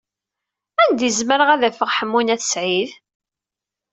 Anda ay zemreɣ ad d-afeɣ Ḥemmu n At Sɛid?